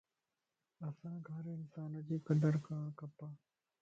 اسانک ھر انسان جي قدر ڪرڻ کپ